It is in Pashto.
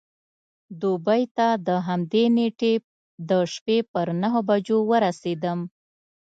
دوبۍ ته د همدې نېټې د شپې پر نهو بجو ورسېدم.